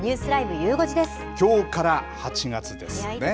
きょうから８月ですね。